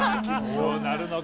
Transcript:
◆どうなるのか。